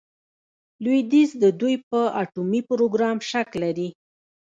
لویدیځ د دوی په اټومي پروګرام شک لري.